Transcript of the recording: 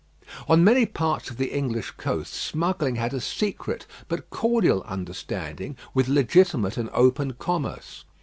On many parts of the English coast smuggling had a secret but cordial understanding with legitimate and open commerce.